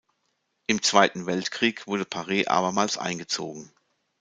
Im Zweiten Weltkrieg wurde Paret abermals eingezogen.